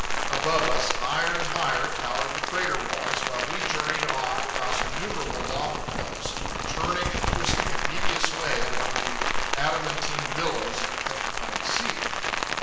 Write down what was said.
Above us, higher and higher, towered the crater walls, while we journeyed on across innumerable lava flows, turning and twisting a devious way among the adamantine billows of a petrified sea.